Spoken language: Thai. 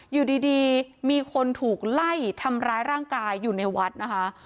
อยู่ดีมีคนถูกไล่ทำร้ายร่างกายอยู่ในวัดนะคะ